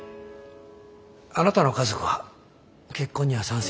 あなたの家族は結婚には賛成でしたか？